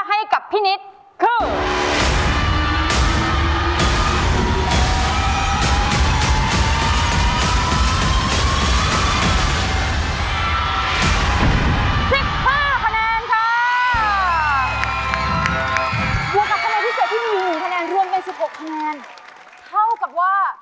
ช่วยฝังดินหรือกว่า